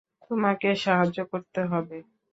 তোমাকে সাহায্য করতে হবে।